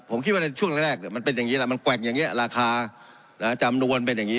ผมคิดว่าในช่วงแรกมันเป็นอย่างนี้แหละมันแกว่งอย่างนี้ราคาจำนวนเป็นอย่างนี้